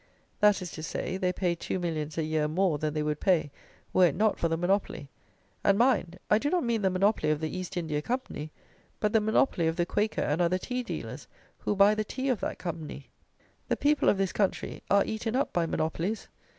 that is to say, they pay two millions a year more than they would pay were it not for the monopoly; and, mind, I do not mean the monopoly of the East India Company, but the monopoly of the Quaker and other Tea Dealers, who buy the tea of that Company! The people of this country are eaten up by monopolies.